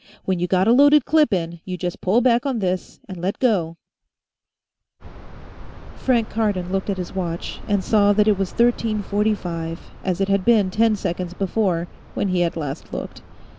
When you got a loaded clip in, you just pull back on this and let go "Frank Cardon looked at his watch, and saw that it was 1345, as it had been ten seconds before, when he had last looked.